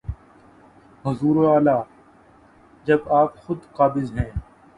حضور والا، جب آپ خود قابض ہیں۔